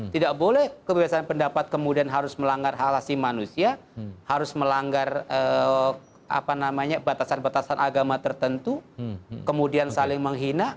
tidak boleh kebebasan pendapat kemudian harus melanggar halasi manusia harus melanggar batasan batasan agama tertentu kemudian saling menghina